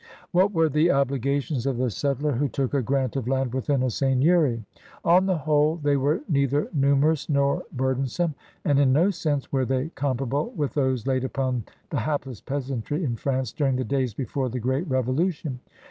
What were the obligations of the settler who took a grant of land within a seigneury? On the whole they were neither numerous nor burden some, and in no sense were they comparable with those laid upon the hapless peasantry in France during the days before the great Revolu tion.